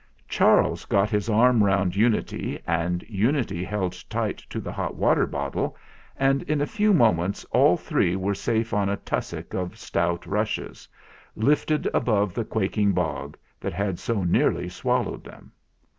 Charles got his arm round 206 THE FLINT HEART Unity, and Unity held tight to the hot water bottle, and in a few moments all three were safe on a tussock of stout rushes, lifted above the quaking bog that had so nearly swallowed them.